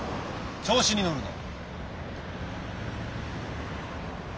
調子に乗るなよ。